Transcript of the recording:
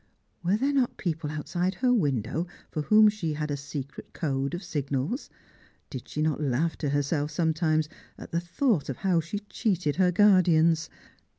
Were there not people outside her window for whom she had a secret code of signals ? Did she not laugh to herself sometimes at the thought of how she cheated her custodians?